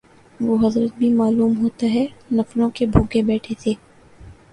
وہ حضرت بھی معلوم ہوتا ہے نفلوں کے بھوکے بیٹھے تھے